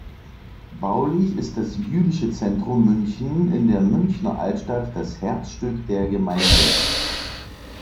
Baulich ist das Jüdische Zentrum München in der Münchner Altstadt das Herzstück der Gemeinde.